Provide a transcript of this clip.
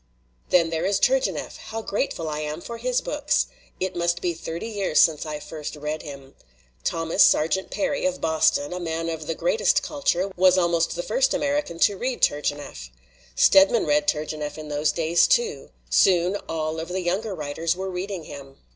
"Then there is Turgemeff how grateful I am for his books ! It must be thirty years since I first read him. Thomas Sargent Perry, of Boston, a 7 LITERATURE IN THE MAKING man of the greatest culture, was almost the first American to read Turgenieff. Stedman read Turgenieff in those days, too. Soon all of the younger writers were reading him.